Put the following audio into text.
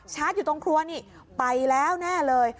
อยู่ตรงครัวนี่ไปแล้วแน่เลย